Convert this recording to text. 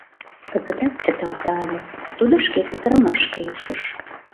Кызытат чыталта ыле, да тудо шке кутырымашке ушыш.